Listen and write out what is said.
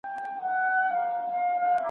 اوس د هغه مولوي ژبه ګونګۍ ده ,